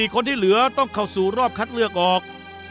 คนที่เหลือต้องเข้าสู่รอบคัดเลือกออก